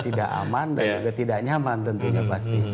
tidak aman dan juga tidak nyaman tentunya pasti